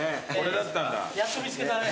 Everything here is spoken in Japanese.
やっと見つけたね。